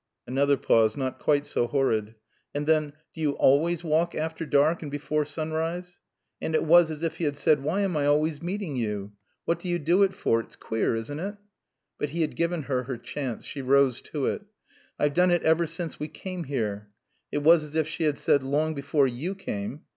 Another pause, not quite so horrid. And then "Do you always walk after dark and before sunrise?" And it was as if he had said, "Why am I always meeting you? What do you do it for? It's queer, isn't it?" But he had given her her chance. She rose to it. "I've done it ever since we came here." (It was as if she had said "Long before you came.")